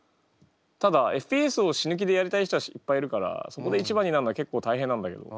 ただＦＰＳを死ぬ気でやりたい人たちはいっぱいいるからそこで一番になるのは結構大変なんだけど。